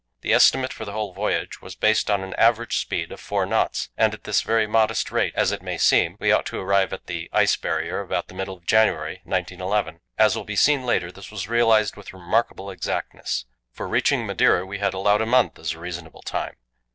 The estimate for the whole voyage was based on an average speed of four knots, and at this very modest rate, as it may seem, we ought to arrive at the lce Barrier about the middle of January, 1911. As will be seen later, this was realized with remarkable exactness. For reaching Madeira we had allowed a month as a reasonable time.